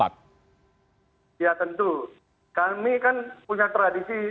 kami kan punya tradisi